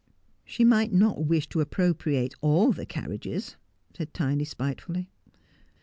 ' She might not wish to appropriate all the carriages,' said Tiny spitefully.